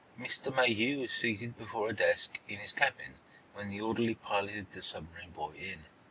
Mr. Mayhew was seated before a desk in his cabin when the orderly piloted the submarine boy in.